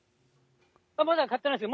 まだ買ってないです。